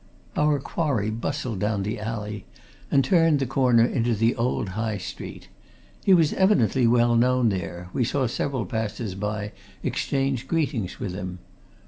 Our quarry bustled down the alley and turned the corner into the old High Street. He was evidently well known there; we saw several passers by exchange greetings with him.